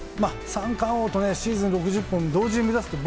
三冠王とシーズン６０本を同時に目指すなんて